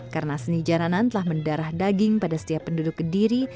karena seni jalanan telah mendarah daging pada setiap penduduk kediri